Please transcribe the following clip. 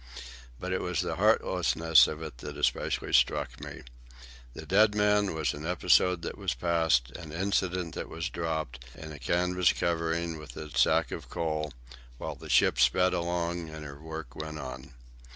But it was the heartlessness of it that especially struck me. The dead man was an episode that was past, an incident that was dropped, in a canvas covering with a sack of coal, while the ship sped along and her work went on.